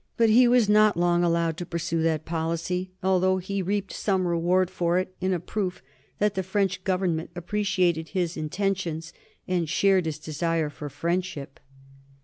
But he was not long allowed to pursue that policy, although he reaped some reward for it in a proof that the French Government appreciated his intentions and shared his desire for friendship.